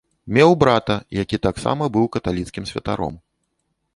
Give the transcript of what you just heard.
Меў брата, які таксама быў каталіцкім святаром.